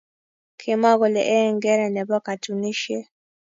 Kimwa kole eeh eng geree ne bo katunishe.